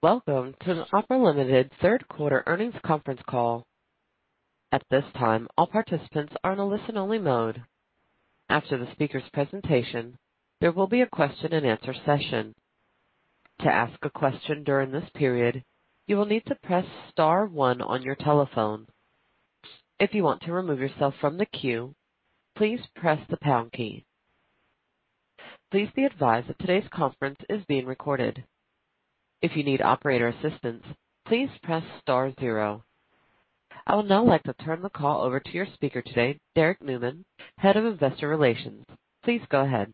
Welcome to an Opera Limited third quarter earnings conference call. At this time, all participants are in a listen-only mode. After the speaker's presentation, there will be a question-and-answer session. To ask a question during this period, you will need to press star one on your telephone. If you want to remove yourself from the queue, please press the pound key. Please be advised that today's conference is being recorded. If you need operator assistance, please press star zero. I would now like to turn the call over to your speaker today, Derrick Nueman, Head of Investor Relations. Please go ahead.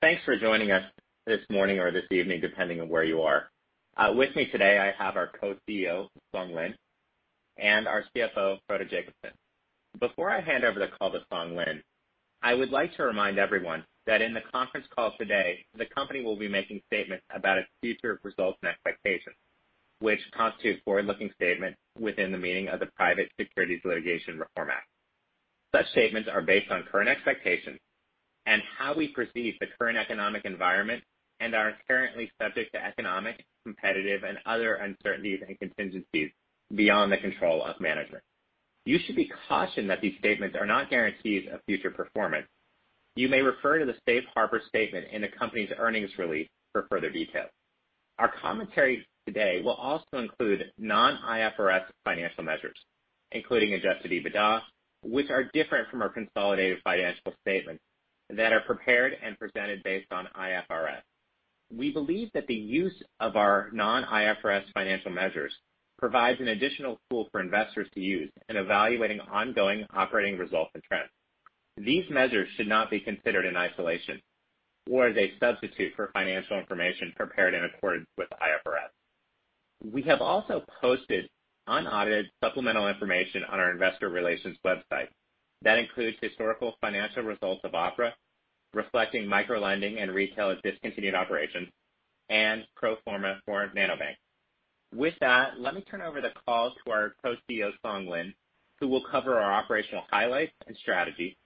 Thanks for joining us this morning or this evening, depending on where you are. With me today, I have our Co-CEO, Song Lin, and our CFO, Frode Jacobsen. Before I hand over the call to Song Lin, I would like to remind everyone that in the conference call today, the company will be making statements about its future results and expectations, which constitute a forward-looking statement within the meaning of the Private Securities Litigation Reform Act. Such statements are based on current expectations and how we perceive the current economic environment and are currently subject to economic, competitive, and other uncertainties and contingencies beyond the control of management. You should be cautioned that these statements are not guarantees of future performance. You may refer to the Safe Harbor statement in the company's earnings release for further details. Our commentary today will also include non-IFRS financial measures, including adjusted EBITDA, which are different from our consolidated financial statements that are prepared and presented based on IFRS. We believe that the use of our non-IFRS financial measures provides an additional tool for investors to use in evaluating ongoing operating results and trends. These measures should not be considered in isolation or as a substitute for financial information prepared in accordance with IFRS. We have also posted unaudited supplemental information on our investor relations website that includes historical financial results of Opera reflecting micro-lending and retail discontinued operations and pro forma for Nanobank. With that, let me turn over the call to our Co-CEO, Song Lin, who will cover our operational highlights and strategy,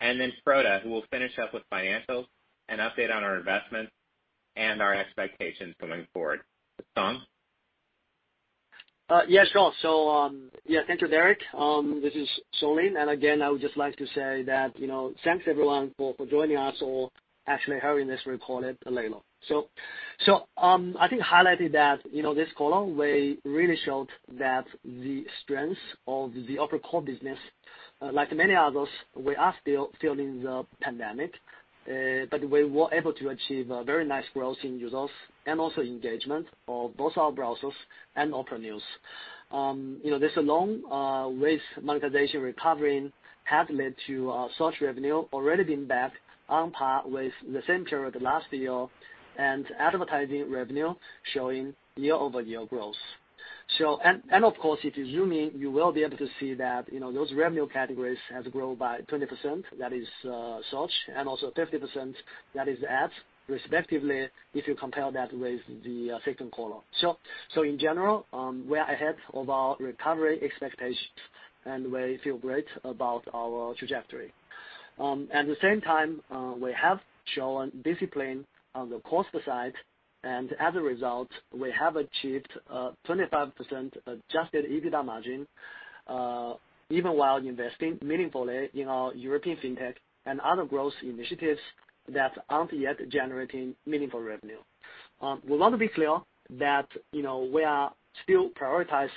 and then Frode, who will finish up with financials and update on our investments and our expectations going forward. Song? Yes, sure. So yeah, thank you, Derrick. This is Song Lin. And again, I would just like to say that thanks everyone for joining us or actually hearing this recorded later. So I think, highlighting that this call, we really showed that the strength of the Opera core business, like many others, we are still feeling the pandemic, but we were able to achieve a very nice growth in users and also engagement of both our browsers and Opera News. This long race monetization recovery has led to search revenue already being back on par with the same period last year and advertising revenue showing year-over-year growth. And of course, if you zoom in, you will be able to see that those revenue categories have grown by 20%, that is search, and also 50%, that is ads, respectively, if you compare that with the second column. So in general, we are ahead of our recovery expectations, and we feel great about our trajectory. At the same time, we have shown discipline on the cost side, and as a result, we have achieved a 25% Adjusted EBITDA margin even while investing meaningfully in our European fintech and other growth initiatives that aren't yet generating meaningful revenue. We want to be clear that we are still prioritized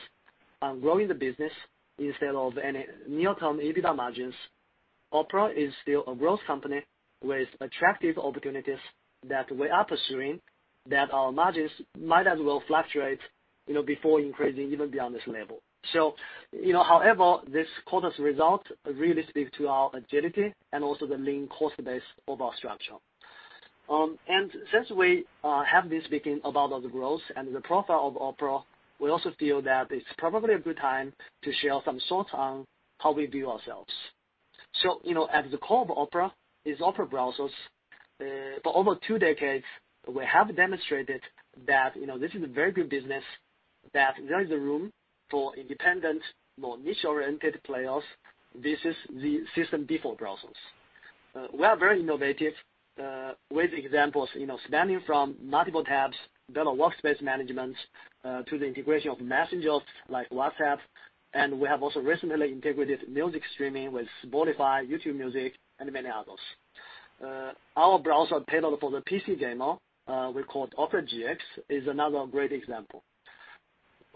on growing the business instead of any near-term EBITDA margins. Opera is still a growth company with attractive opportunities that we are pursuing, that our margins might as well fluctuate before increasing even beyond this level. So however, this quarter's results really speak to our agility and also the lean cost base of our structure. Since we have been speaking about the growth and the profile of Opera, we also feel that it's probably a good time to share some thoughts on how we view ourselves. At the core of Opera is Opera Browsers. For over two decades, we have demonstrated that this is a very good business, that there is a room for independent, more niche-oriented players versus the system-default browsers. We are very innovative with examples spanning from multiple tabs, better workspace management, to the integration of messengers like WhatsApp, and we have also recently integrated music streaming with Spotify, YouTube Music, and many others. Our browser tailored for the PC gamer, we call it Opera GX, is another great example.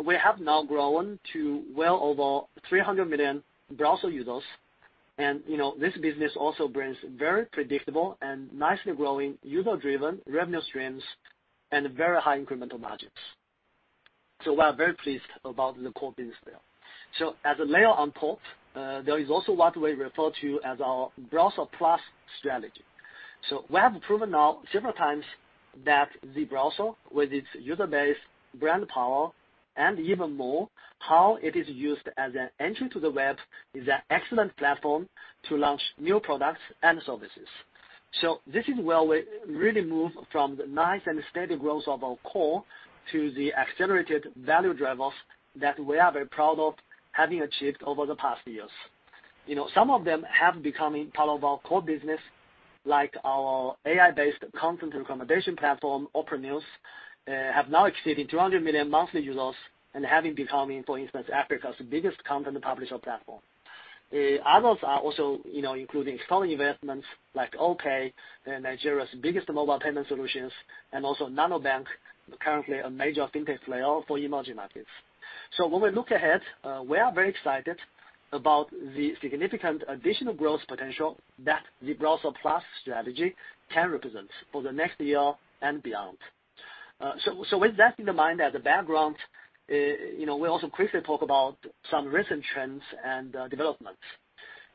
We have now grown to well over 300 million browser users, and this business also brings very predictable and nicely growing user-driven revenue streams and very high incremental margins. We are very pleased about the core business layer. As a layer on top, there is also what we refer to as our Browser Plus strategy. We have proven now several times that the browser, with its user base, brand power and even more, how it is used as an entry to the web, is an excellent platform to launch new products and services. This is where we really move from the nice and steady growth of our core to the accelerated value drivers that we are very proud of having achieved over the past years. Some of them have become part of our core business, like our AI-based content recommendation platform, Opera News, have now exceeded 200 million monthly users and have become, for instance, Africa's biggest content publisher platform. Others are also including strong investments like OPay, Nigeria's biggest mobile payment solutions, and also Nanobank, currently a major fintech player for emerging markets. So when we look ahead, we are very excited about the significant additional growth potential that the Browser Plus strategy can represent for the next year and beyond. So with that in mind, as a background, we also quickly talk about some recent trends and developments.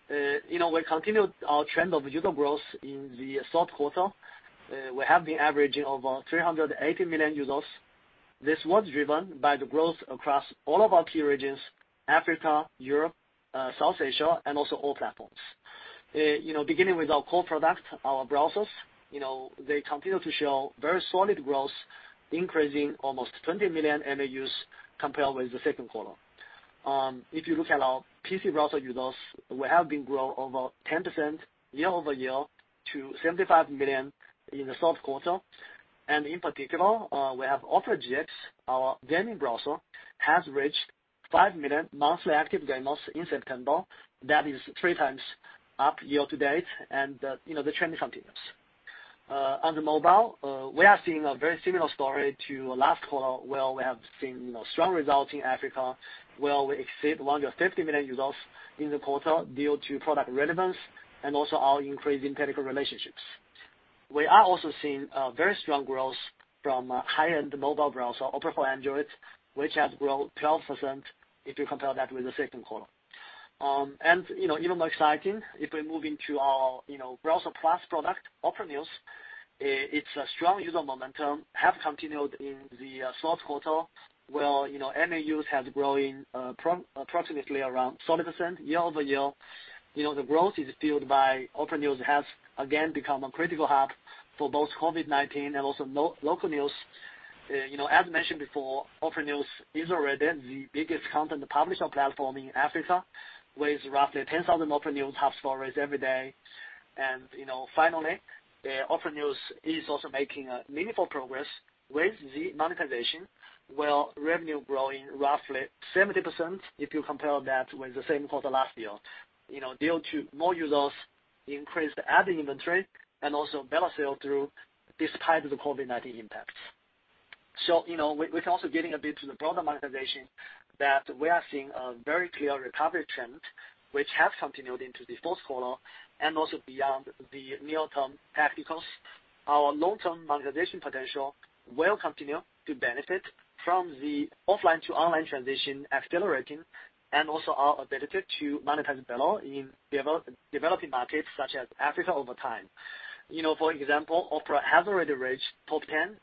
We continue our trend of user growth in the third quarter. We have been averaging over 380 million users. This was driven by the growth across all of our key regions: Africa, Europe, South Asia, and also all platforms. Beginning with our core product, our browsers, they continue to show very solid growth, increasing almost 20 million MAUs compared with the second quarter. If you look at our PC browser users, we have been growing over 10% year-over-year to 75 million in the third quarter, and in particular, we have Opera GX, our gaming browser, has reached 5 million monthly active gamers in September. That is three times up year-to-date, and the trend continues. On the mobile, we are seeing a very similar story to last quarter, where we have seen strong results in Africa, where we exceeded 150 million users in the quarter due to product relevance and also our increase in technical relationships. We are also seeing very strong growth from high-end mobile browser, Opera for Android, which has grown 12% if you compare that with the second column, and even more exciting, if we move into our Browser Plus product, Opera News, its strong user momentum has continued in the third quarter, where MAUs have grown approximately around 30% year-over-year. The growth is fueled by Opera News has again become a critical hub for both COVID-19 and also local news. As mentioned before, Opera News is already the biggest content publisher platform in Africa with roughly 10,000 Opera News Hub stories every day, and finally, Opera News is also making meaningful progress with the monetization, where revenue is growing roughly 70% if you compare that with the same quarter last year, due to more users, increased ad inventory and also better sales throughput despite the COVID-19 impacts, so we can also get in a bit to the broader monetization, that we are seeing a very clear recovery trend, which has continued into the fourth quarter and also beyond the near-term tacticals. Our long-term monetization potential will continue to benefit from the offline to online transition accelerating and also our ability to monetize better in developing markets such as Africa over time. For example, Opera has already reached top 10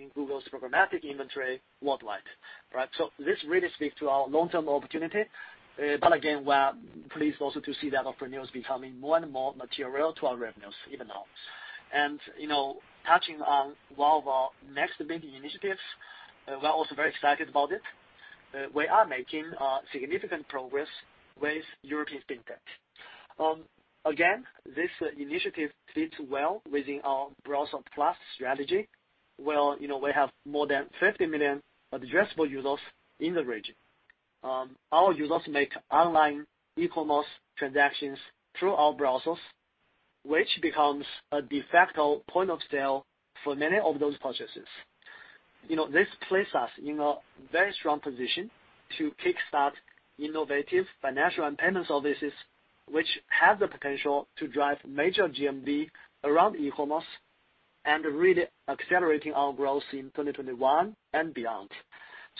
in Google's programmatic inventory worldwide, so this really speaks to our long-term opportunity. But again, we are pleased also to see that Opera News is becoming more and more material to our revenues even now, and touching on one of our next big initiatives, we're also very excited about it. We are making significant progress with European fintech. Again, this initiative fits well within our Browser Plus strategy, where we have more than 50 million addressable users in the region. Our users make online e-commerce transactions through our browsers, which becomes a de facto point of sale for many of those purchases. This places us in a very strong position to kickstart innovative financial and payment services, which have the potential to drive major GMV around e-commerce and really accelerate our growth in 2021 and beyond,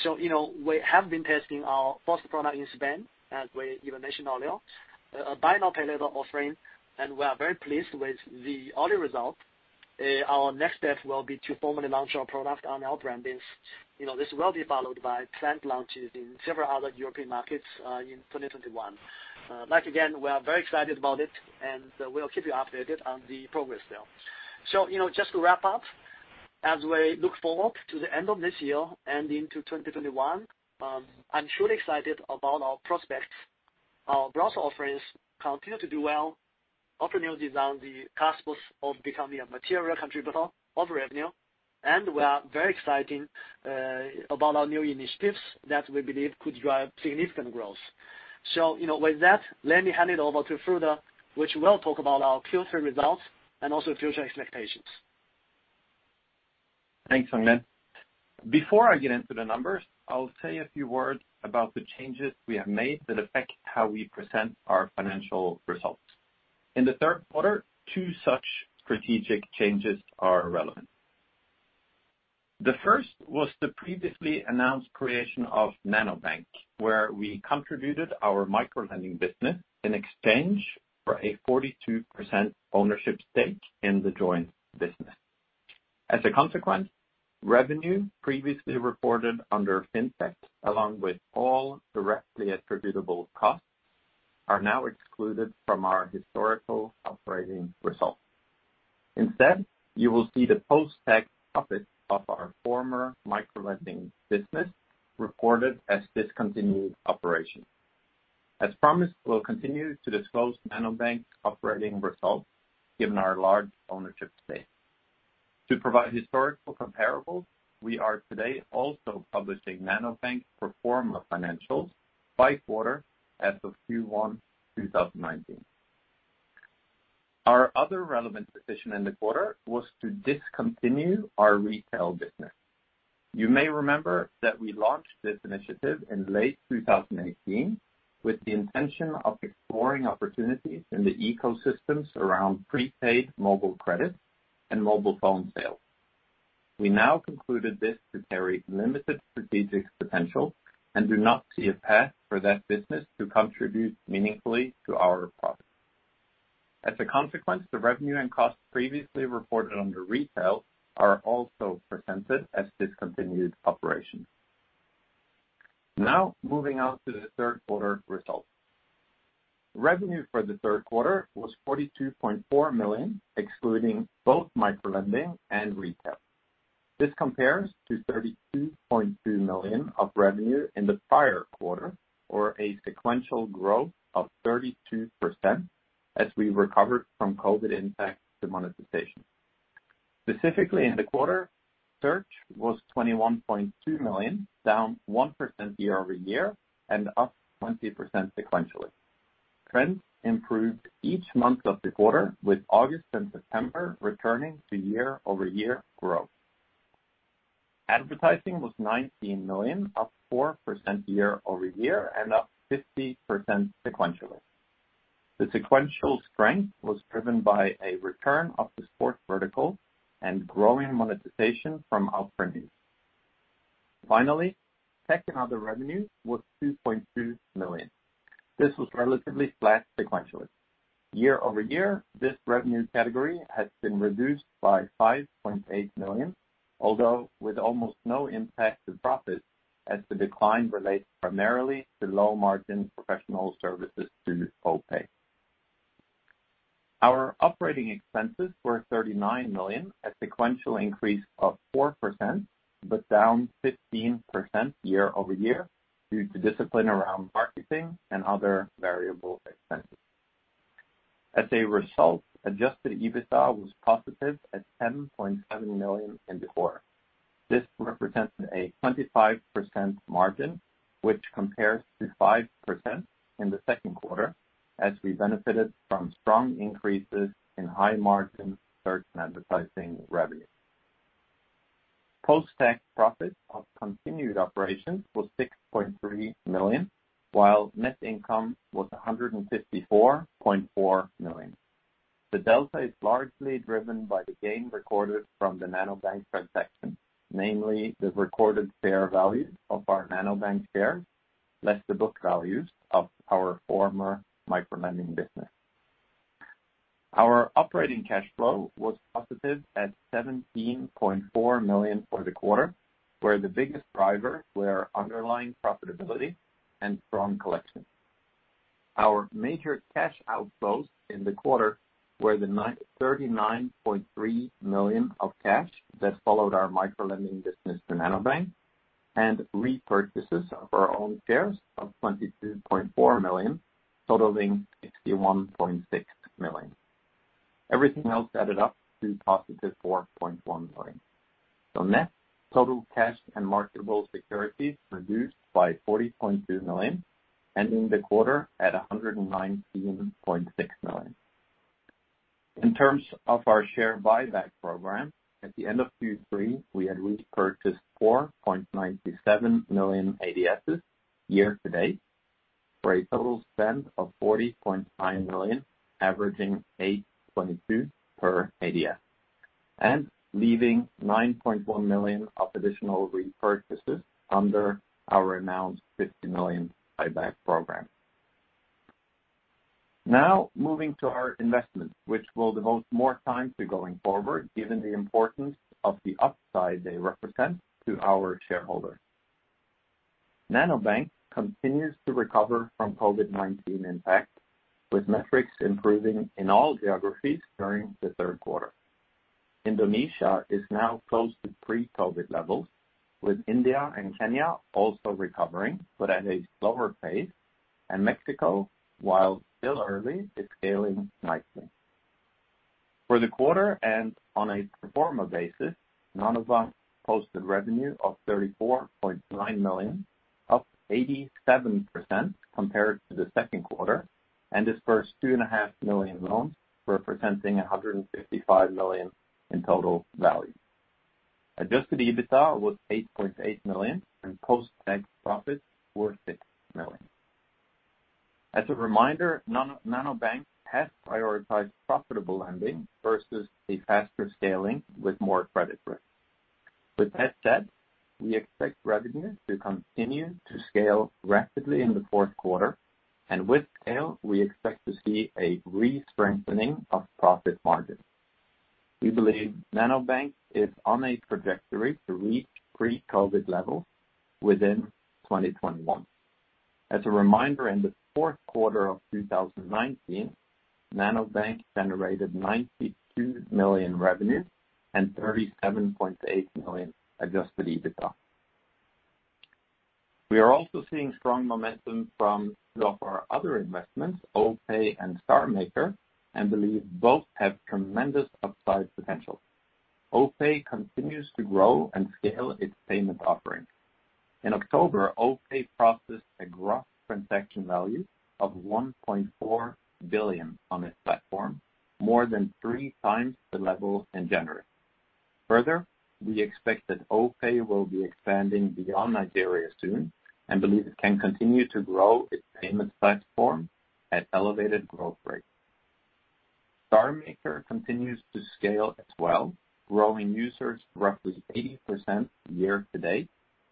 so we have been testing our first product in Spain, as we even mentioned earlier, a buy now pay later offering, and we are very pleased with the early results. Our next step will be to formally launch our product on our platforms. This will be followed by planned launches in several other European markets in 2021. Again, we are very excited about it, and we'll keep you updated on the progress there, so just to wrap up, as we look forward to the end of this year and into 2021, I'm truly excited about our prospects. Our browser offerings continue to do well. Opera News is on the cusp of becoming a material contributor of revenue, and we are very excited about our new initiatives that we believe could drive significant growth. So with that, let me hand it over to Frode, which will talk about our Q3 results and also future expectations. Thanks, Song Lin. Before I get into the numbers, I'll say a few words about the changes we have made that affect how we present our financial results. In the third quarter, two such strategic changes are relevant. The first was the previously announced creation of Nanobank, where we contributed our micro-lending business in exchange for a 42% ownership stake in the joint business. As a consequence, revenue previously reported under fintech, along with all directly attributable costs, are now excluded from our historical operating results. Instead, you will see the post-tax profits of our former micro-lending business reported as discontinued operations. As promised, we'll continue to disclose Nanobank's operating results given our large ownership stake. To provide historical comparables, we are today also publishing Nanobank's pro forma financials by quarter as of Q1 2019. Our other relevant decision in the quarter was to discontinue our retail business. You may remember that we launched this initiative in late 2018 with the intention of exploring opportunities in the ecosystems around prepaid mobile credit and mobile phone sales. We now concluded this to carry limited strategic potential and do not see a path for that business to contribute meaningfully to our product. As a consequence, the revenue and costs previously reported under retail are also presented as discontinued operations. Now, moving on to the third quarter results. Revenue for the third quarter was $42.4 million, excluding both micro-lending and retail. This compares to $32.2 million of revenue in the prior quarter, or a sequential growth of 32% as we recovered from COVID impact to monetization. Specifically in the quarter, search was $21.2 million, down 1% year-over-year and up 20% sequentially. Trends improved each month of the quarter, with August and September returning to year-over-year growth. Advertising was $19 million, up 4% year-over-year and up 50% sequentially. The sequential strength was driven by a return of the sports vertical and growing monetization from Opera News. Finally, tech and other revenue was $2.2 million. This was relatively flat sequentially. Year-over-year, this revenue category has been reduced by $5.8 million, although with almost no impact to profit as the decline relates primarily to low-margin professional services to OPay. Our operating expenses were $39 million at a sequential increase of 4%, but down 15% year-over-year due to discipline around marketing and other variable expenses. As a result, Adjusted EBITDA was positive at $10.7 million in the quarter. This represents a 25% margin, which compares to 5% in the second quarter as we benefited from strong increases in high-margin search and advertising revenue. Post-tax profits of continued operations were $6.3 million, while net income was $154.4 million. The delta is largely driven by the gain recorded from the Nanobank transaction, namely the recorded share value of our Nanobank shares less the book values of our former micro-lending business. Our operating cash flow was positive at $17.4 million for the quarter, where the biggest driver was underlying profitability and strong collection. Our major cash outflows in the quarter were the $39.3 million of cash that followed our micro-lending business to Nanobank and repurchases of our own shares of $22.4 million, totaling $61.6 million. Everything else added up to positive $4.1 million. So net total cash and marketable securities reduced by $40.2 million, ending the quarter at $119.6 million. In terms of our share buyback program, at the end of Q3, we had repurchased 4.97 million ADSs year-to-date for a total spend of $40.9 million, averaging $8.22 per ADS, and leaving 9.1 million of additional repurchases under our announced $50 million buyback program. Now, moving to our investments, which will devote more time to going forward given the importance of the upside they represent to our shareholders. Nanobank continues to recover from COVID-19 impact, with metrics improving in all geographies during the third quarter. Indonesia is now close to pre-COVID levels, with India and Kenya also recovering, but at a slower pace, and Mexico, while still early, is scaling nicely. For the quarter and on a pro forma basis, Nanobank posted revenue of $34.9 million, up 87% compared to the second quarter, and its first 2.5 million loans representing $155 million in total value. Adjusted EBITDA was $8.8 million, and post-tax profits were $6 million. As a reminder, Nanobank has prioritized profitable lending versus a faster scaling with more credit risk. With that said, we expect revenue to continue to scale rapidly in the fourth quarter, and with scale, we expect to see a re-strengthening of profit margins. We believe Nanobank is on a trajectory to reach pre-COVID levels within 2021. As a reminder, in the fourth quarter of 2019, Nanobank generated $92 million revenue and $37.8 million adjusted EBITDA. We are also seeing strong momentum from two of our other investments, OPay and StarMaker, and believe both have tremendous upside potential. OPay continues to grow and scale its payment offering. In October, OPay processed a gross transaction value of $1.4 billion on its platform, more than three times the level in January. Further, we expect that OPay will be expanding beyond Nigeria soon and believe it can continue to grow its payment platform at elevated growth rates. StarMaker continues to scale as well, growing users roughly 80% year-to-date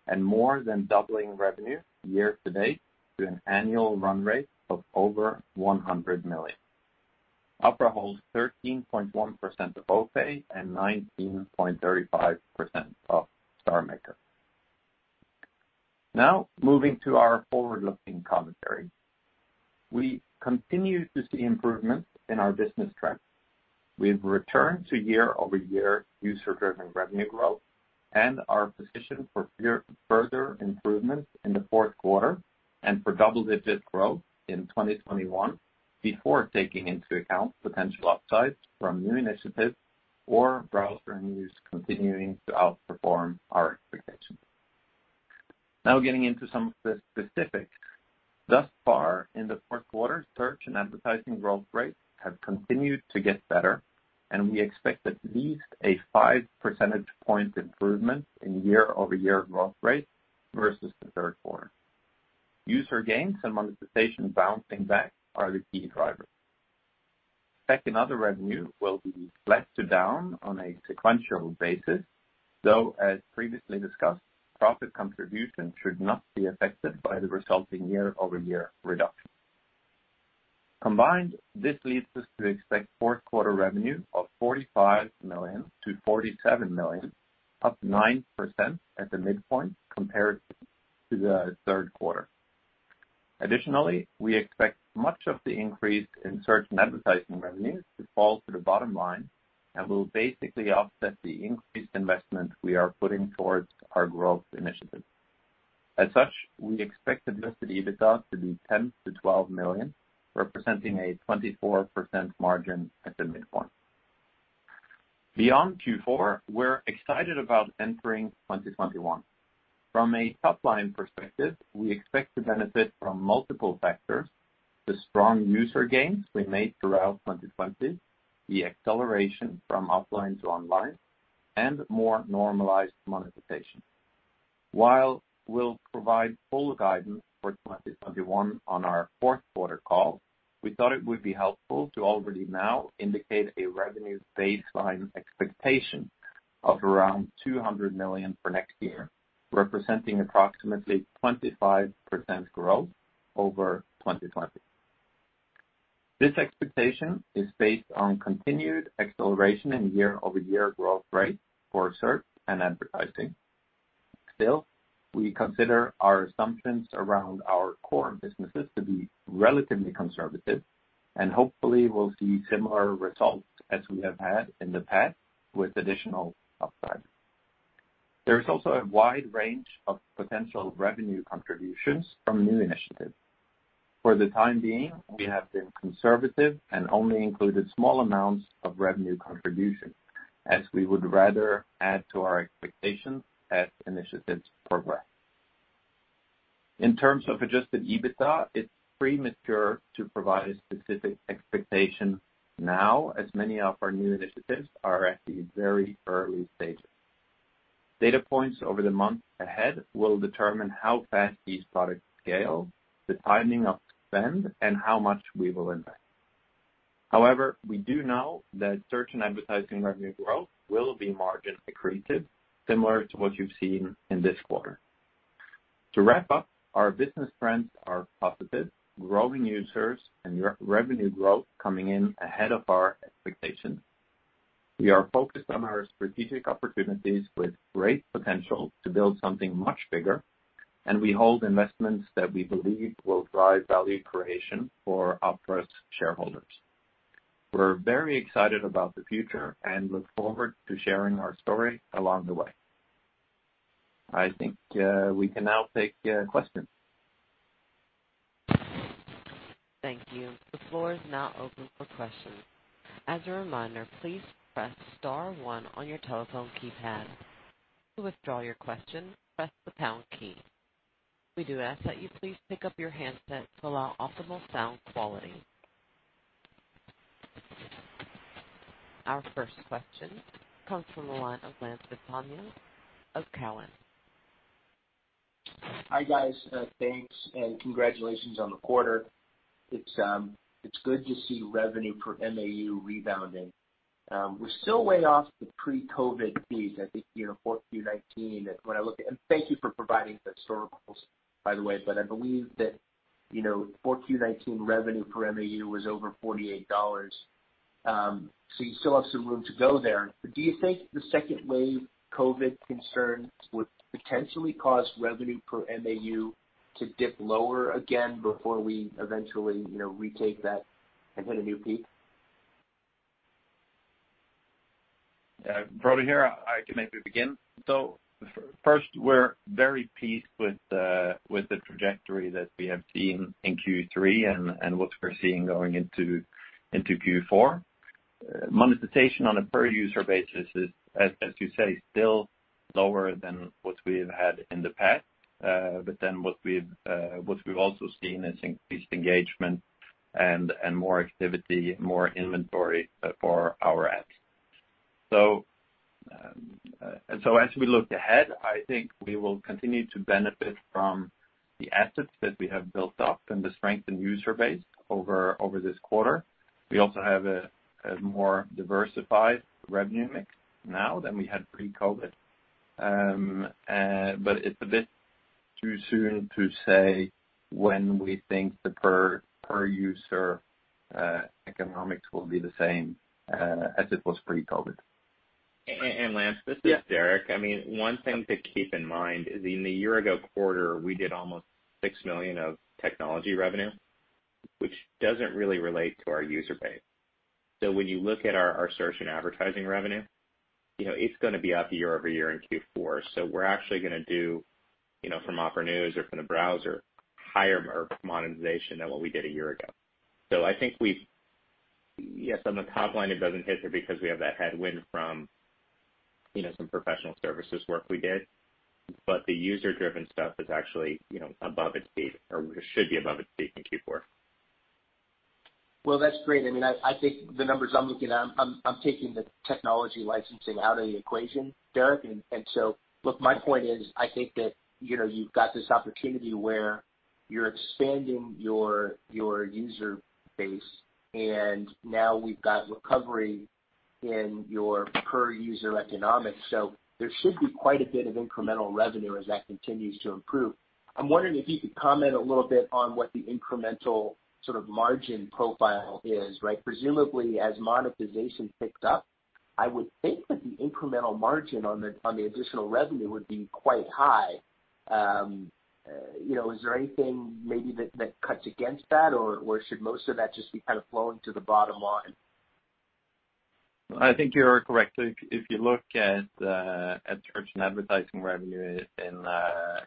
and more than doubling revenue year-to-date to an annual run rate of over $100 million. Opera holds 13.1% of OPay and 19.35% of StarMaker. Now, moving to our forward-looking commentary. We continue to see improvements in our business track. We've returned to year-over-year user-driven revenue growth and our position for further improvements in the fourth quarter and for double-digit growth in 2021 before taking into account potential upside from new initiatives or Opera News continuing to outperform our expectations. Now, getting into some of the specifics. Thus far, in the fourth quarter, search and advertising growth rates have continued to get better, and we expect at least a 5 percentage point improvement in year-over-year growth rate versus the third quarter. User gains and monetization bouncing back are the key drivers. Tech and other revenue will be flat to down on a sequential basis, though, as previously discussed, profit contribution should not be affected by the resulting year-over-year reduction. Combined, this leads us to expect fourth quarter revenue of $45 million-$47 million, up 9% at the midpoint compared to the third quarter. Additionally, we expect much of the increase in search and advertising revenues to fall to the bottom line and will basically offset the increased investment we are putting towards our growth initiative. As such, we expect Adjusted EBITDA to be $10 million-$12 million, representing a 24% margin at the midpoint. Beyond Q4, we're excited about entering 2021. From a top-line perspective, we expect to benefit from multiple factors: the strong user gains we made throughout 2020, the acceleration from offline to online, and more normalized monetization. While we'll provide full guidance for 2021 on our fourth quarter call, we thought it would be helpful to already now indicate a revenue baseline expectation of around $200 million for next year, representing approximately 25% growth over 2020. This expectation is based on continued acceleration in year-over-year growth rates for search and advertising. Still, we consider our assumptions around our core businesses to be relatively conservative, and hopefully, we'll see similar results as we have had in the past with additional upside. There is also a wide range of potential revenue contributions from new initiatives. For the time being, we have been conservative and only included small amounts of revenue contribution, as we would rather add to our expectations as initiatives progress. In terms of Adjusted EBITDA, it's premature to provide a specific expectation now, as many of our new initiatives are at the very early stages. Data points over the months ahead will determine how fast these products scale, the timing of spend, and how much we will invest. However, we do know that search and advertising revenue growth will be margin accretive, similar to what you've seen in this quarter. To wrap up, our business trends are positive, growing users, and revenue growth coming in ahead of our expectations. We are focused on our strategic opportunities with great potential to build something much bigger, and we hold investments that we believe will drive value creation for our fellow shareholders. We're very excited about the future and look forward to sharing our story along the way. I think we can now take questions. Thank you. The floor is now open for questions. As a reminder, please press star one on your telephone keypad. To withdraw your question, press the pound key. We do ask that you please pick up your handset to allow optimal sound quality. Our first question comes from the line of Lance Vitanza of Cowen. Hi, guys. Thanks, and congratulations on the quarter. It's good to see revenue for MAU rebounding. We're still way off the pre-COVID peak at the year 4Q 2019, and thank you for providing the historicals, by the way, but I believe that 4Q 2019 revenue for MAU was over $48, so you still have some room to go there. But do you think the second wave COVID concerns would potentially cause revenue per MAU to dip lower again before we eventually retake that and hit a new peak? Frode here. I can maybe begin, though. First, we're very pleased with the trajectory that we have seen in Q3 and what we're seeing going into Q4. Monetization on a per-user basis is, as you say, still lower than what we've had in the past, but then what we've also seen is increased engagement and more activity, more inventory for our apps. And so, as we look ahead, I think we will continue to benefit from the assets that we have built up and the strengthened user base over this quarter. We also have a more diversified revenue mix now than we had pre-COVID, but it's a bit too soon to say when we think the per-user economics will be the same as it was pre-COVID. And Lance, this is Derrick. I mean, one thing to keep in mind is in the year-ago quarter, we did almost $6 million of technology revenue, which doesn't really relate to our user base. So when you look at our search and advertising revenue, it's going to be up year-over-year in Q4. So we're actually going to do, from Opera News or from the browser, higher monetization than what we did a year ago. So I think we've, yes, on the top line, it doesn't hit there because we have that headwind from some professional services work we did, but the user-driven stuff is actually above its peak or should be above its peak in Q4. Well, that's great. I mean, I think the numbers I'm looking at, I'm taking the technology licensing out of the equation, Derrick. And so, look, my point is I think that you've got this opportunity where you're expanding your user base, and now we've got recovery in your per-user economics, so there should be quite a bit of incremental revenue as that continues to improve. I'm wondering if you could comment a little bit on what the incremental sort of margin profile is, right? Presumably, as monetization picked up, I would think that the incremental margin on the additional revenue would be quite high. Is there anything maybe that cuts against that, or should most of that just be kind of flowing to the bottom line? I think you're correct. If you look at search and advertising revenue in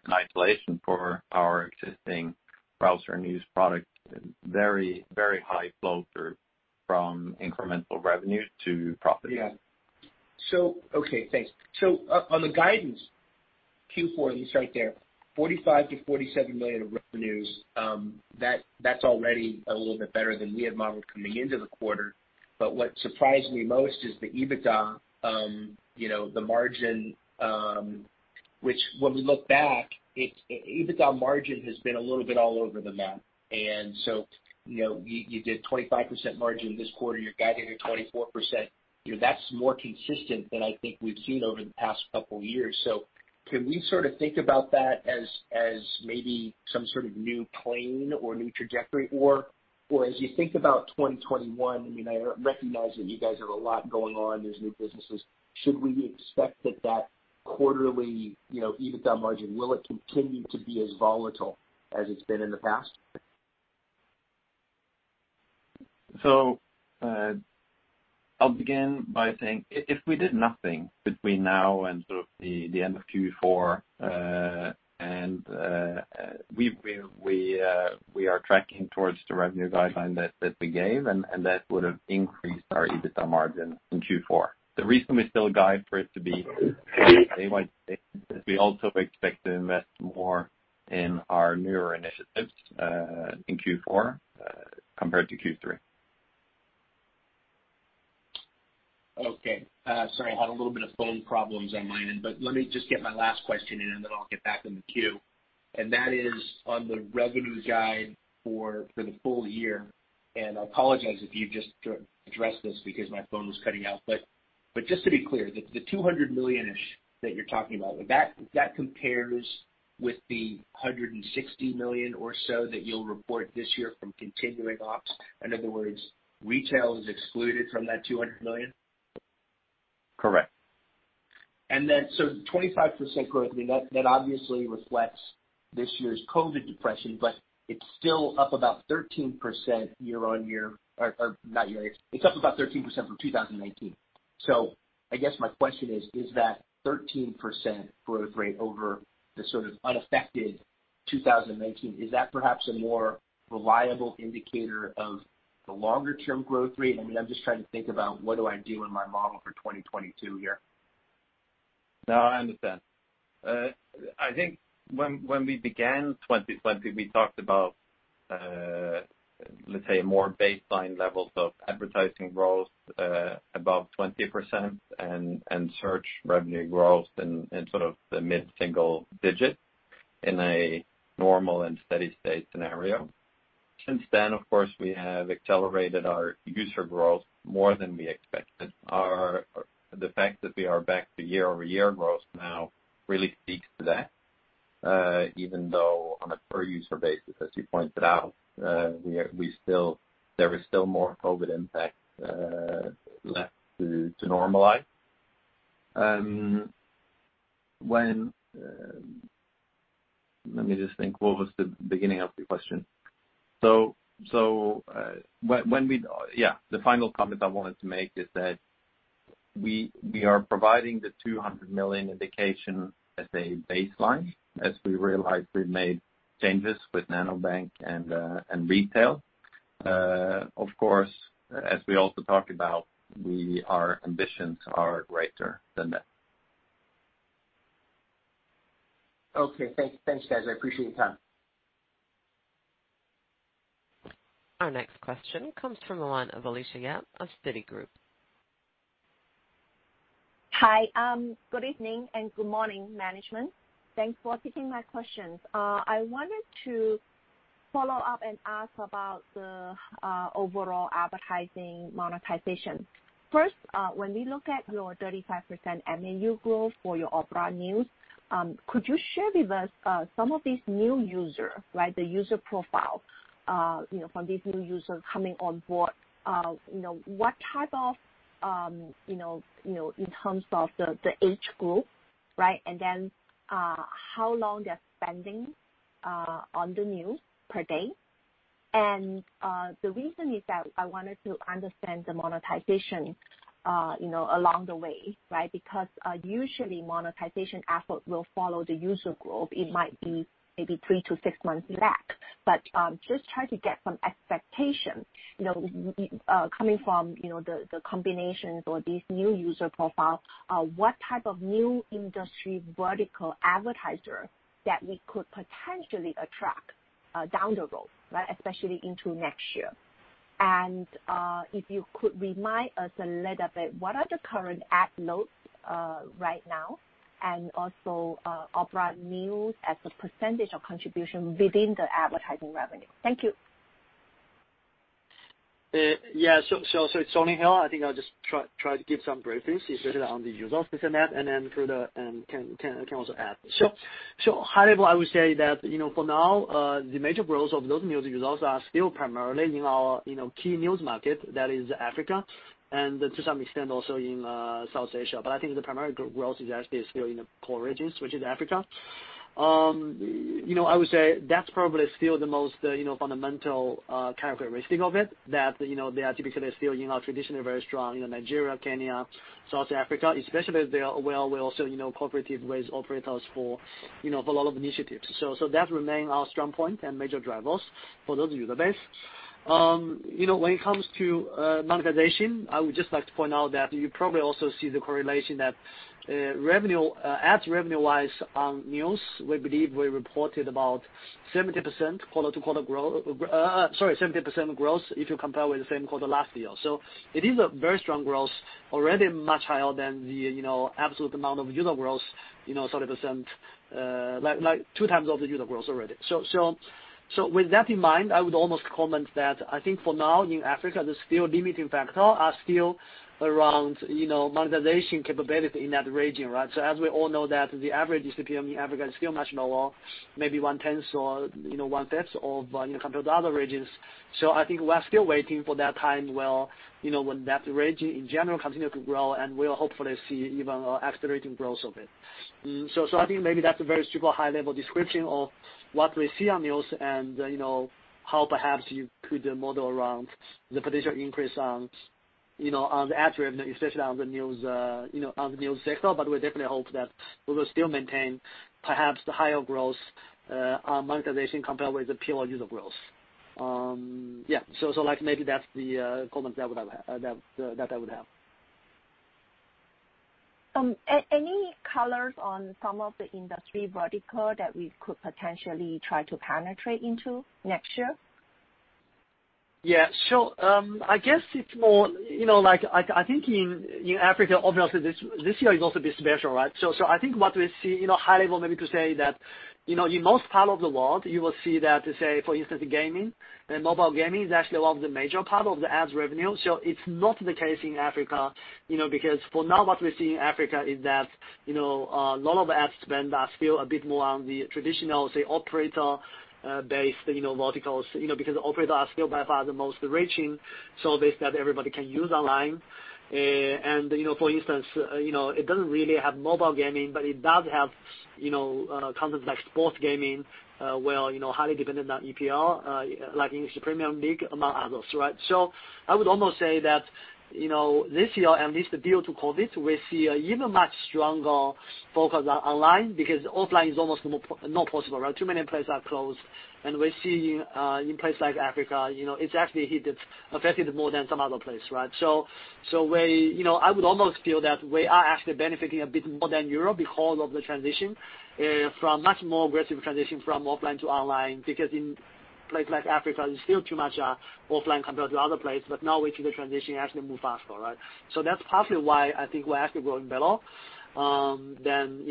isolation for our existing browser news product, very, very high flow through from incremental revenue to profit. Yeah. So, okay, thanks. So on the guidance Q4, you start there, $45 million-$47 million of revenues, that's already a little bit better than we had modeled coming into the quarter, but what surprised me most is the EBITDA, the margin, which when we look back, EBITDA margin has been a little bit all over the map, and so you did 25% margin this quarter, you're guiding to 24%. That's more consistent than I think we've seen over the past couple of years. So can we sort of think about that as maybe some sort of new plane or new trajectory? Or as you think about 2021, I mean, I recognize that you guys have a lot going on, there's new businesses. Should we expect that that quarterly EBITDA margin will continue to be as volatile as it's been in the past? So I'll begin by saying if we did nothing between now and sort of the end of Q4, and we are tracking towards the revenue guideline that we gave, and that would have increased our EBITDA margin in Q4. The reason we still guide for it to be day by day is we also expect to invest more in our newer initiatives in Q4 compared to Q3. Okay. Sorry, I had a little bit of phone problems on my end, but let me just get my last question in, and then I'll get back in the queue, and that is on the revenue guide for the full year. And I apologize if you just addressed this because my phone was cutting out, but just to be clear, the $200 million-ish that you're talking about, that compares with the $160 million or so that you'll report this year from continuing ops? In other words, retail is excluded from that $200 million? Correct. And then so 25% growth, I mean, that obviously reflects this year's COVID depression, but it's still up about 13% year-on-year, or not year-on-year, it's up about 13% from 2019. I guess my question is, is that 13% growth rate over the sort of unaffected 2019, is that perhaps a more reliable indicator of the longer-term growth rate? I mean, I'm just trying to think about what do I do in my model for 2022 here. No, I understand. I think when we began 2020, we talked about, let's say, more baseline levels of advertising growth above 20% and search revenue growth in sort of the mid-single-digit % in a normal and steady-state scenario. Since then, of course, we have accelerated our user growth more than we expected. The fact that we are back to year-over-year growth now really speaks to that, even though on a per-user basis, as you pointed out, there is still more COVID impact left to normalize. Let me just think, what was the beginning of the question? So when we, yeah, the final comment I wanted to make is that we are providing the 200 million indication as a baseline as we realize we've made changes with Nanobank and retail. Of course, as we also talked about, our ambitions are greater than that. Okay. Thanks, guys. I appreciate your time. Our next question comes from Alicia Yap of Citigroup. Hi. Good evening and good morning, management. Thanks for taking my questions. I wanted to follow up and ask about the overall advertising monetization. First, when we look at your 35% MAU growth for your Opera News, could you share with us some of these new users, right, the user profile from these new users coming on board? What type of, in terms of the age group, right? And then how long they're spending on the news per day? The reason is that I wanted to understand the monetization along the way, right? Because usually, monetization efforts will follow the user growth. It might be maybe three to six months lag, but just try to get some expectation coming from the combinations or these new user profiles, what type of new industry vertical advertisers that we could potentially attract down the road, right, especially into next year? And if you could remind us a little bit, what are the current app loads right now? And also Opera News as a percentage of contribution within the advertising revenue? Thank you. Yeah. So it's Song Lin here. I think I'll just try to give some briefings. He's really on the news ops and that, and then Frode can also add. So high level, I would say that for now, the major growth of those news results are still primarily in our key news market, that is Africa, and to some extent also in South Asia. But I think the primary growth is actually still in the core regions, which is Africa. I would say that's probably still the most fundamental characteristic of it, that they are typically still in our traditionally very strong Nigeria, Kenya, South Africa, especially as they are well aware of also cooperate with operators for a lot of initiatives. So that remains our strong point and major drivers for those user base. When it comes to monetization, I would just like to point out that you probably also see the correlation that ads revenue-wise on news, we believe we reported about 70% quarter-to-quarter growth, sorry, 70% growth if you compare with the same quarter last year. It is a very strong growth, already much higher than the absolute amount of user growth, 70%, like two times of the user growth already. With that in mind, I would almost comment that I think for now in Africa, the still limiting factor are still around monetization capability in that region, right? As we all know that the average GDP in Africa is still much lower, maybe one-tenth or one-fifth of compared to other regions. I think we're still waiting for that time when that region in general continues to grow, and we'll hopefully see even accelerating growth of it. I think maybe that's a very super high-level description of what we see on news and how perhaps you could model around the potential increase on the ad revenue, especially on the news sector. But we definitely hope that we will still maintain perhaps the higher growth on monetization compared with the pure user growth. Yeah. So maybe that's the comment that I would have. Any colors on some of the industry vertical that we could potentially try to penetrate into next year? Yeah. So I guess it's more like I think in Africa, obviously, this year is also a bit special, right? So I think what we see, high level maybe to say that in most part of the world, you will see that, say, for instance, gaming, mobile gaming is actually one of the major parts of the ads revenue. So it's not the case in Africa because for now, what we see in Africa is that a lot of ad spend is still a bit more on the traditional, say, operator-based verticals because operators are still by far the most reaching service that everybody can use online. And for instance, it doesn't really have mobile gaming, but it does have content like sports gaming, well, highly dependent on EPL, like in the Premier League, among others, right? So I would almost say that this year, at least the year of COVID, we see an even much stronger focus online because offline is almost not possible, right? Too many places are closed. And we see in places like Africa, it's actually affected more than some other places, right? So, I would almost feel that we are actually benefiting a bit more than Europe because of the transition from much more aggressive transition from offline to online because in places like Africa, there's still too much offline compared to other places, but now we see the transition actually move faster, right? So that's partly why I think we're actually growing better than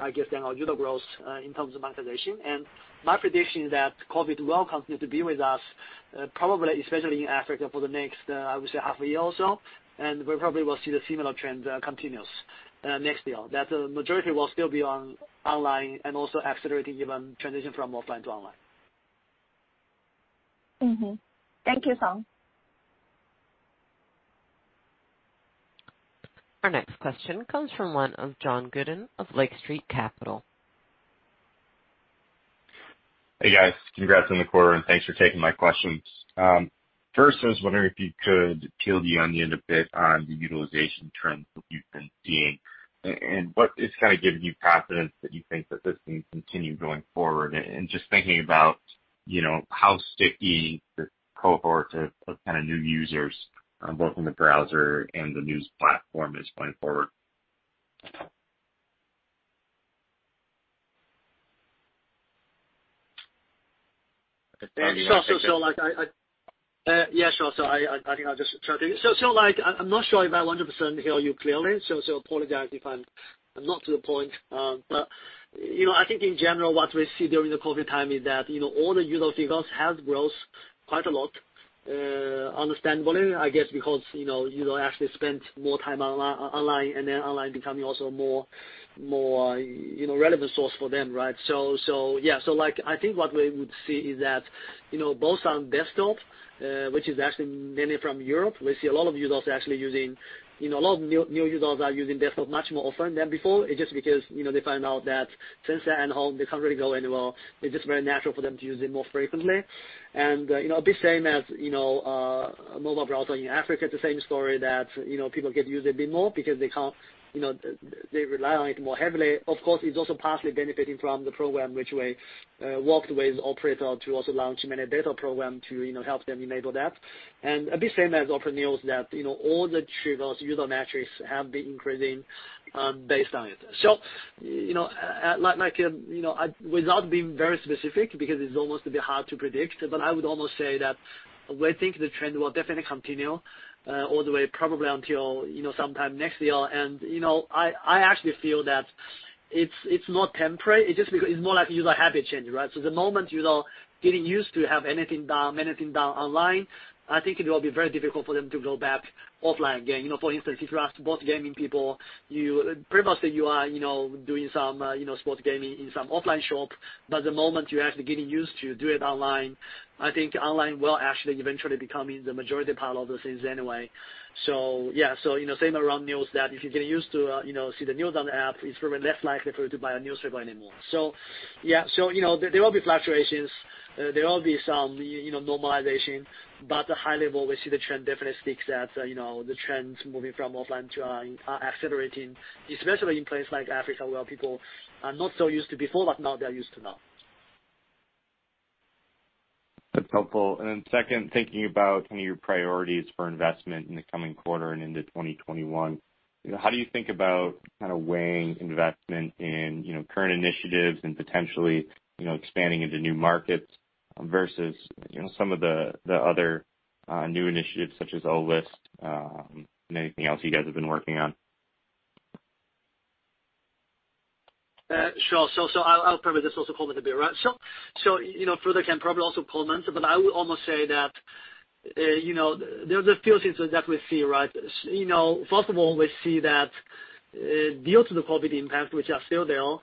I guess than our user growth in terms of monetization. And my prediction is that COVID will continue to be with us, probably especially in Africa for the next, I would say, half a year or so, and we probably will see the similar trend continues next year. That the majority will still be online and also accelerating even transition from offline to online. Thank you, Song. Our next question comes from John Godin of Lake Street Capital. Hey, guys. Congrats on the quarter, and thanks for taking my questions. First, I was wondering if you could peel the onion a bit on the utilization trends that you've been seeing and what is kind of giving you confidence that you think that this can continue going forward? And just thinking about how sticky this cohort of kind of new users, both in the browser and the news platform, is going forward. Yeah, sure. So I think I'll just try to—so I'm not sure if I 100% hear you clearly, so apologize if I'm not to the point. But I think in general, what we see during the COVID time is that all the user figures have grown quite a lot, understandably, I guess, because users actually spent more time online, and then online becoming also a more relevant source for them, right? So yeah, so I think what we would see is that both on desktop, which is actually mainly from Europe, we see a lot of users actually using, a lot of new users are using desktop much more often than before. It's just because they find out that since they're at home, they can't really go anywhere. It's just very natural for them to use it more frequently. And a bit same as mobile browser in Africa, the same story that people get to use it a bit more because they rely on it more heavily. Of course, it's also partially benefiting from the program, which we worked with operator to also launch many data programs to help them enable that. And a bit same as Opera News that all the triggers, user metrics have been increasing based on it. So without being very specific, because it's almost a bit hard to predict, but I would almost say that we think the trend will definitely continue all the way probably until sometime next year. And I actually feel that it's not temporary. It's just because it's more like user habit change, right? So the moment you're getting used to having anything done, anything done online, I think it will be very difficult for them to go back offline again. For instance, if you ask both gaming people, you pretty much say you are doing some sports gaming in some offline shop, but the moment you're actually getting used to do it online, I think online will actually eventually become the majority part of the things anyway. So yeah, so same around news that if you're getting used to see the news on the app, it's probably less likely for you to buy a newspaper anymore. So yeah, so there will be fluctuations. There will be some normalization, but at the high level, we see the trend definitely sticks. The trend moving from offline to online accelerating, especially in places like Africa where people are not so used to before, but now they're used to now. That's helpful. And then second, thinking about kind of your priorities for investment in the coming quarter and into 2021, how do you think about kind of weighing investment in current initiatives and potentially expanding into new markets versus some of the other new initiatives such as OList and anything else you guys have been working on? Sure. So I'll probably just also comment a bit, right? So further, I can probably also comment, but I would almost say that there's a few things that we see, right? First of all, we see that due to the COVID impact, which are still there,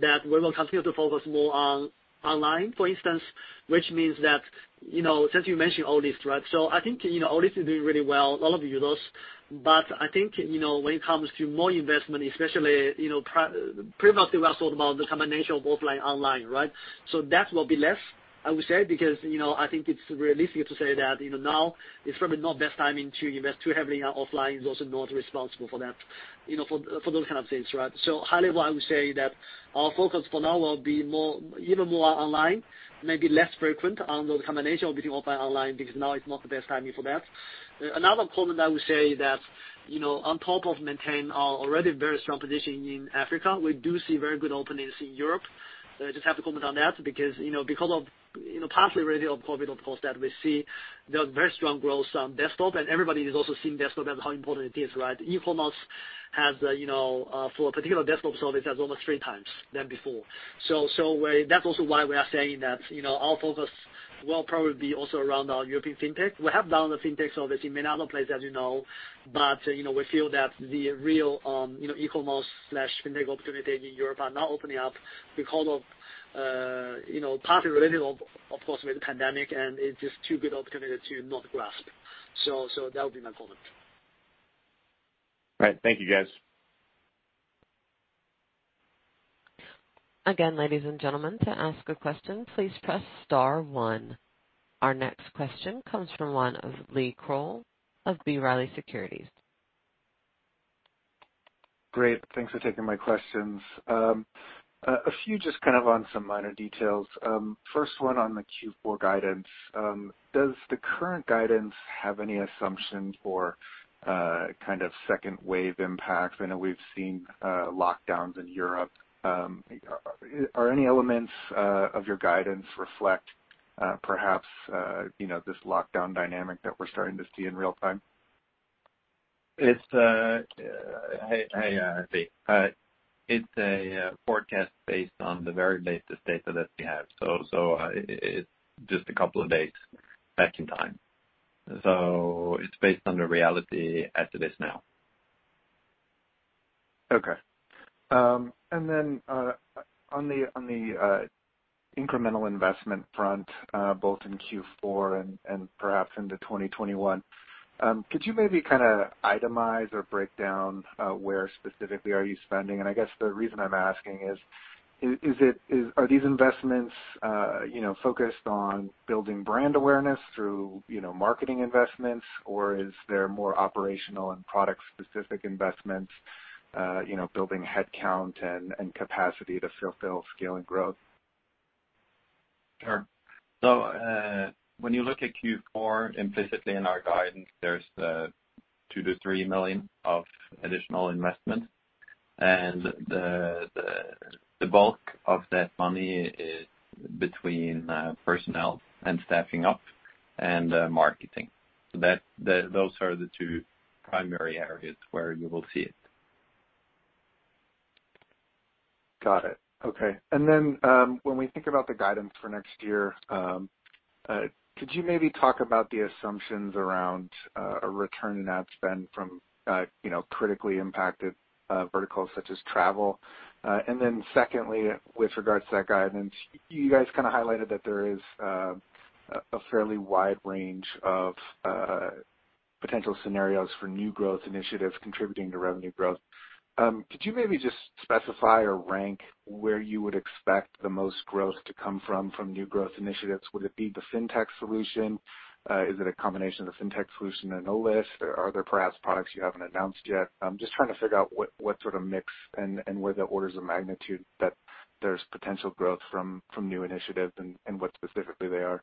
that we will continue to focus more on online, for instance, which means that since you mentioned OList, right? So I think OList is doing really well, a lot of users, but I think when it comes to more investment, especially pretty much they were talking about the combination of offline and online, right? So that will be less, I would say, because I think it's realistic to say that now it's probably not the best timing to invest too heavily on offline. It's also not responsible for that, for those kind of things, right? So high level, I would say that our focus for now will be even more online, maybe less frequent on the combination between offline and online because now it's not the best timing for that. Another comment I would say that on top of maintaining our already very strong position in Africa, we do see very good openings in Europe. I just have to comment on that because partly really of COVID, of course, that we see the very strong growth on desktop, and everybody is also seeing desktop as how important it is, right? E-commerce has for a particular desktop service almost three times than before. So that's also why we are saying that our focus will probably be also around our European fintech. We have done the fintech service in many other places, as you know, but we feel that the real e-commerce/fintech opportunity in Europe are now opening up because of partly related, of course, with the pandemic, and it's just too good opportunity to not grasp. So that would be my comment. All right. Thank you, guys. Again, ladies and gentlemen, to ask a question, please press star one. Our next question comes from the line of Lee Krowl of B. Riley Securities. Great. Thanks for taking my questions. A few just kind of on some minor details. First one on the Q4 guidance. Does the current guidance have any assumptions for kind of second wave impact? I know we've seen lockdowns in Europe. Are any elements of your guidance reflect perhaps this lockdown dynamic that we're starting to see in real time? Hey, Lee. It's a forecast based on the very latest data that we have. So it's just a couple of days back in time. So it's based on the reality as it is now. Okay. And then on the incremental investment front, both in Q4 and perhaps into 2021, could you maybe kind of itemize or break down where specifically are you spending? And I guess the reason I'm asking is, are these investments focused on building brand awareness through marketing investments, or is there more operational and product-specific investments, building headcount and capacity to fulfill scaling growth? Sure. So when you look at Q4, implicitly in our guidance, there's $2 million-$3 million of additional investment. And the bulk of that money is between personnel and staffing up and marketing. So those are the two primary areas where you will see it. Got it. Okay. And then, when we think about the guidance for next year, could you maybe talk about the assumptions around a return in ad spend from critically impacted verticals such as travel? And then, secondly, with regards to that guidance, you guys kind of highlighted that there is a fairly wide range of potential scenarios for new growth initiatives contributing to revenue growth. Could you maybe just specify or rank where you would expect the most growth to come from, from new growth initiatives? Would it be the fintech solution? Is it a combination of the fintech solution and OList? Are there perhaps products you haven't announced yet? I'm just trying to figure out what sort of mix and where the orders of magnitude that there's potential growth from new initiatives and what specifically they are.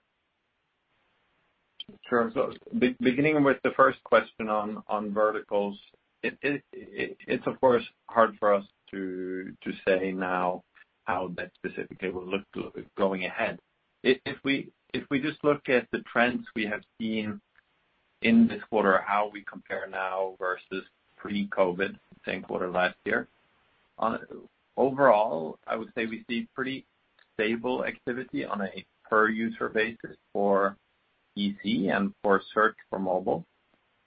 Sure. Beginning with the first question on verticals, it's, of course, hard for us to say now how that specifically will look going ahead. If we just look at the trends we have seen in this quarter, how we compare now versus pre-COVID, same quarter last year, overall, I would say we see pretty stable activity on a per-user basis for EC and for search for mobile.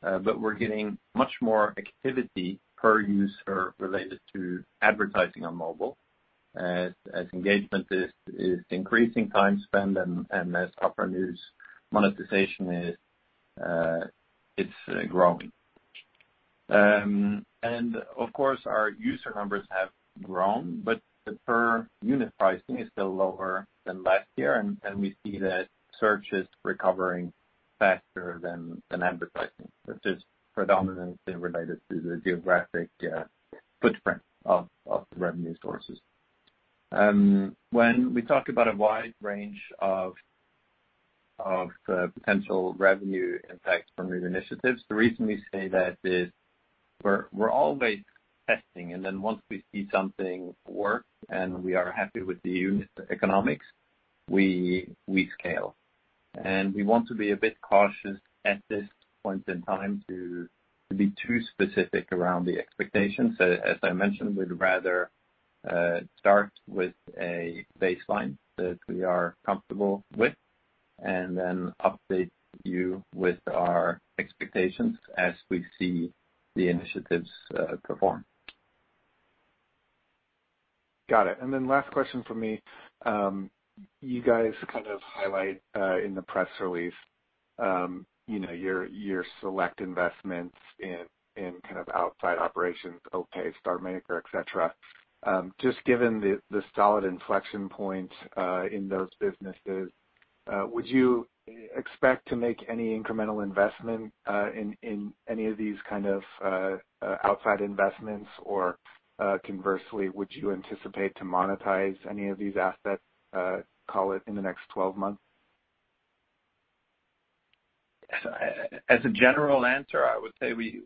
But we're getting much more activity per user related to advertising on mobile as engagement is increasing, time spent, and as Opera News monetization is growing. And of course, our user numbers have grown, but the per-unit pricing is still lower than last year, and we see that search is recovering faster than advertising. This is predominantly related to the geographic footprint of the revenue sources. When we talk about a wide range of potential revenue impact from new initiatives, the reason we say that is we're always testing, and then once we see something work and we are happy with the unit economics, we scale. And we want to be a bit cautious at this point in time to be too specific around the expectations. As I mentioned, we'd rather start with a baseline that we are comfortable with and then update you with our expectations as we see the initiatives perform. Got it. And then last question for me. You guys kind of highlight in the press release your select investments in kind of outside operations, OPay, StarMaker, etc. Just given the solid inflection point in those businesses, would you expect to make any incremental investment in any of these kind of outside investments, or conversely, would you anticipate to monetize any of these assets, call it, in the next 12 months? As a general answer, I would say we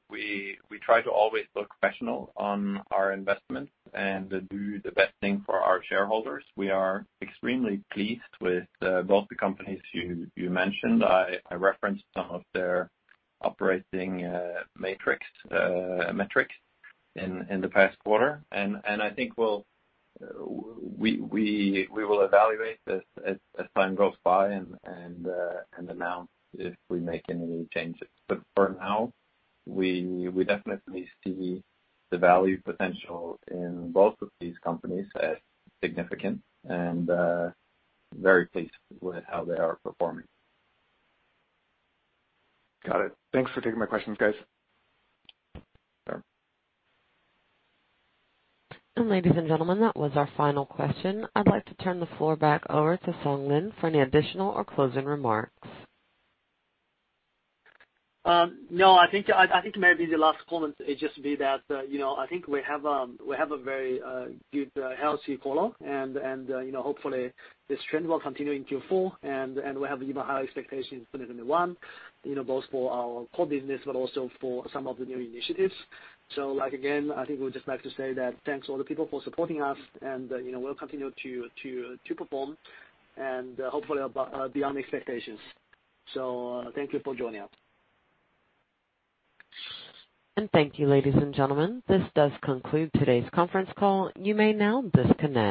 try to always look rational on our investments and do the best thing for our shareholders. We are extremely pleased with both the companies you mentioned. I referenced some of their operating metrics in the past quarter, and I think we will evaluate this as time goes by and announce if we make any changes. But for now, we definitely see the value potential in both of these companies as significant and very pleased with how they are performing. Got it. Thanks for taking my questions, guys. Sure. And ladies and gentlemen, that was our final question. I'd like to turn the floor back over to Song Lin for any additional or closing remarks. No, I think maybe the last comment would just be that I think we have a very good, healthy flow, and hopefully, this trend will continue in Q4, and we have even higher expectations in 2021, both for our core business, but also for some of the new initiatives. So again, I think we would just like to say that thanks to all the people for supporting us, and we'll continue to perform and hopefully beyond expectations. So thank you for joining us. And thank you, ladies and gentlemen. This does conclude today's conference call. You may now disconnect.